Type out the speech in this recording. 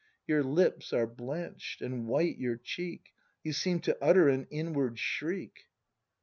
] Your lips are blanch'd, and white your cheek; You seem to utter an inward shriek!